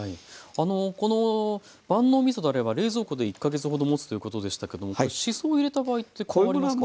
この万能みそだれは冷蔵庫で１か月ほどもつということでしたけどもしそを入れた場合って変わりますか？